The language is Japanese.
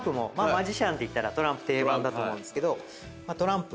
マジシャンっていったらトランプ定番だと思うんですけどトランプ。